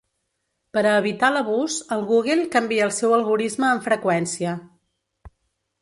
Per a evitar l'abús, el Google canvia el seu algorisme amb freqüència.